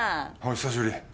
久しぶり。